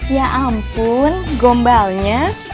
ya ampun gombalnya